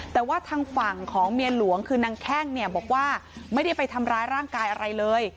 แต่ว่าทางฝั่งของเมียหลวงคือนางแข้งเนี่ยบอกว่าไม่ได้ไปทำร้ายร่างกายอะไรเลย